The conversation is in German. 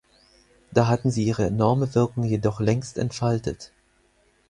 Da hatten sie ihre enorme Wirkung jedoch längst entfaltet.